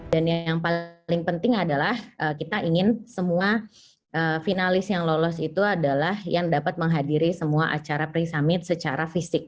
dan yang paling penting adalah kita ingin semua finalis yang lolos itu adalah yang dapat menghadiri semua acara pre summit secara fisik